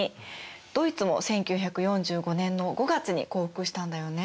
ドイツも１９４５年の５月に降伏したんだよね。